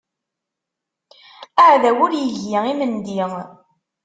Aɛdaw ur igi imendi.